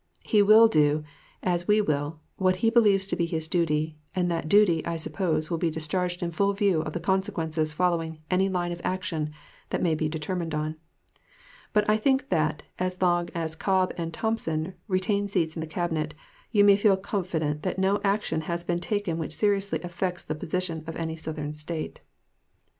He will do, as we will, what he believes to be his duty, and that duty, I suppose, will be discharged in full view of the consequences following any line of action that may be determined on. But I think that, as long as Cobb and Thompson retain seats in the Cabinet, you may feel confident that no action has been taken which seriously affects the position of any Southern State.